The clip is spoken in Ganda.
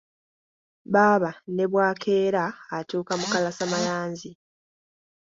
Baaba ne bw’akeera, atuuka mu kalasamayanzi.